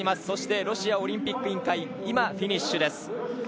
そしてロシアオリンピック委員会今フィニッシュです。